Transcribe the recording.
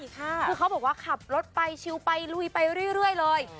คือเขาบอกว่าขับรถไปชิลไปลุยไปเรื่อยเลย